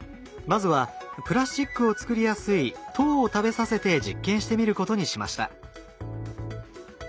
まずはプラスチックを作りやすい糖を食べさせて実験してみることにしました。